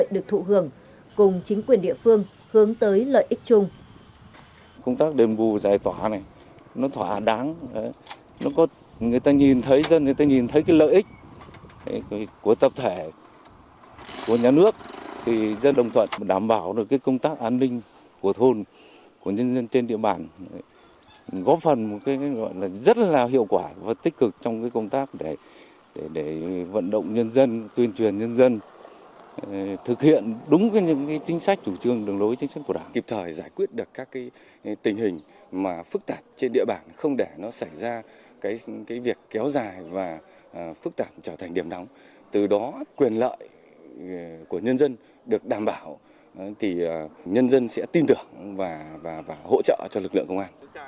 đúng và đầy đủ trách nhiệm quyền lợi được thụ hưởng cùng chính quyền địa phương hướng tới lợi ích chung